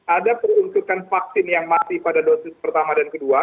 ada peruntukan vaksin yang mati pada dosis pertama dan kedua